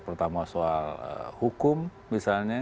pertama soal hukum misalnya